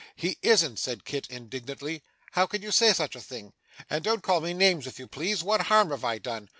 'He isn't,' said Kit indignantly. 'How can you say such a thing? And don't call me names if you please; what harm have I done?